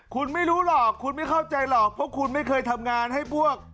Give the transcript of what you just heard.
คุณไม่รู้หรอกคุณไม่เข้าใจหรอกเพราะคุณไม่เคยทำงานให้พวก